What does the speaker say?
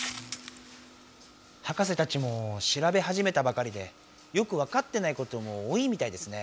はかせたちもしらべはじめたばかりでよく分かってないことも多いみたいですね。